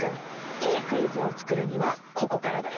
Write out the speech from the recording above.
いいクイズを作るにはここからだよ。